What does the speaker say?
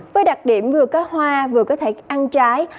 với đặc điểm vừa có hoa vừa có thể ăn trái